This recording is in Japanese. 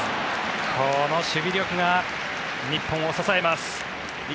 この守備力が日本を支えます。